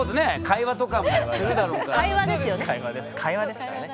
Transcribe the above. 会話ですからね。